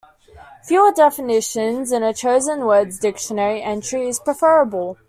Fewer definitions in a chosen word's dictionary entry is preferable.